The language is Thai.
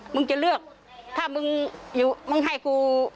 มึงจะเลือกถ้ามึงอยู่มึงให้กู